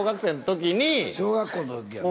小学校の時やな？